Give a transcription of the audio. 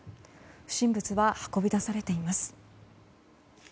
不審物は運び出されています。